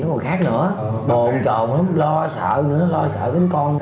có người khác nữa bồn trồn lắm lo sợ nữa lo sợ đến con